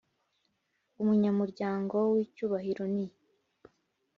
Umunyamuryango w icyubahiro ni